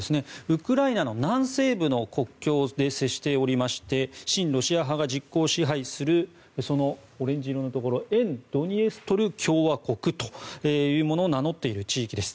ウクライナの南西部の国境で接しておりまして親ロシア派が実効支配するオレンジ色のところ沿ドニエストル共和国と名乗っている地域です。